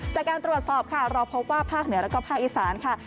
จากการตรวจสอบค่ะเราพบว่าภาคเหนือแล้วก็ภาคอีสานค่ะ